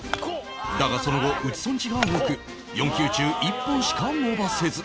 だがその後打ち損じが多く４球中１本しか伸ばせず